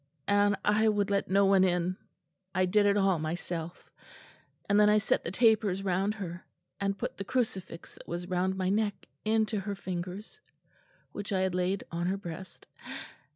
And I would let no one in: I did it all myself; and then I set the tapers round her, and put the crucifix that was round my neck into her fingers, which I had laid on her breast